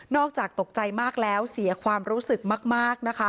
อกจากตกใจมากแล้วเสียความรู้สึกมากนะคะ